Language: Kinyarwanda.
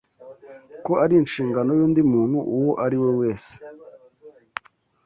ko ari inshingano y’undi muntu uwo ariwe wese